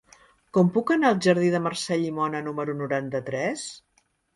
Com puc anar al jardí de Mercè Llimona número noranta-tres?